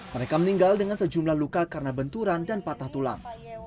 mereka meninggal dengan sejumlah luka karena benturan dan patah tulang